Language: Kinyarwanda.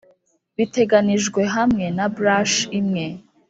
biteganijwe hamwe na brush imwe.